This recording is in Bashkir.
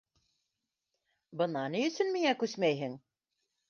Бына ни өсөн миңә күсмәйһең.